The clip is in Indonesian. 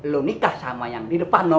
lo nikah sama yang di depan